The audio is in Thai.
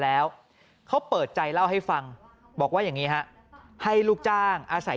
แล้วเขาเปิดใจเล่าให้ฟังบอกว่าอย่างนี้ฮะให้ลูกจ้างอาศัย